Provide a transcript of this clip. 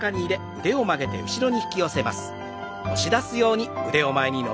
腕を前に伸ばします。